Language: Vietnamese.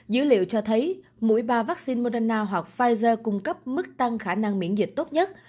dữ liệu cho thấy mỗi ba vaccine moderna hoặc pfizer cung cấp mức tăng khả năng miễn dịch tốt nhất